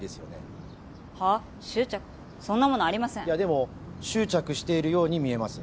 でも執着しているように見えます。